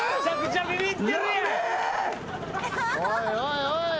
おいおいおい！